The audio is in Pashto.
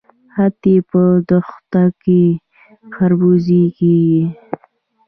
حتی په دښتو کې خربوزې کیږي.